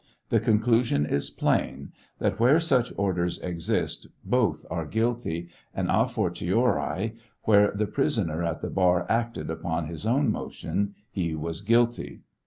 The conclusion is plain, that where such orders exist both are guilty, and a fortiori where the prisoner at the bar acted upon his own motion he was quilty.